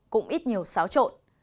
cũng ít nhiều xáo trộn